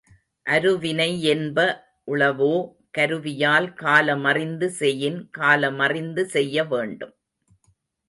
அருவினை யென்ப உளவோ கருவியால் கால மறிந்து செயின் காலமறிந்து செய்யவேண்டும்.